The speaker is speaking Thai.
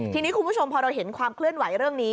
ทีนี้คุณผู้ชมพอเราเห็นความเคลื่อนไหวเรื่องนี้